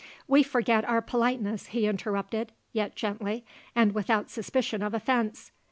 "We forget our politeness," he interrupted, yet gently, and without suspicion of offence.